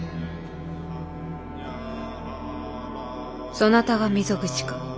そなたが溝口か。